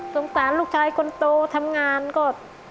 สงสารลูกชายคนโตทำงานก็